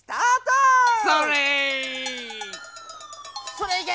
それいけ！